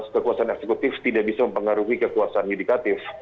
kekuasaan eksekutif tidak bisa mempengaruhi kekuasaan yudikatif